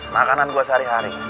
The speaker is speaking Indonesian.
makanan gue sehari hari